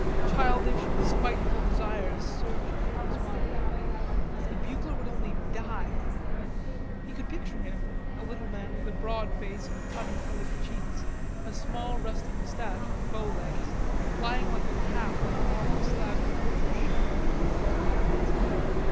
Childish spiteful desires surged into his mind. If the bugler would only die. He could picture him, a little man with a broad face and putty colored cheeks, a small rusty mustache and bow legs lying like a calf on a marble slab in a butcher's shop on top of his blankets.